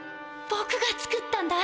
ぼくが作ったんだ。